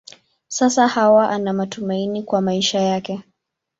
Sasa Hawa ana matumaini kwa maisha yake.